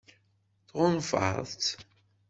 Tɣunfa-tt?